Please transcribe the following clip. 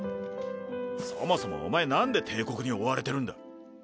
そもそもお前なんで帝国に追われてるんだ？